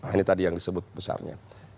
ini tadi yang disebut besarnya